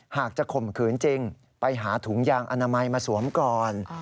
หากจะข่มขืนจริงไปหาถุงยางอนามัยมาสวมก่อน